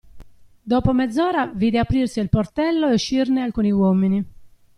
Dopo mezz'ora, vide aprirsi il portello e uscirne alcuni uomini.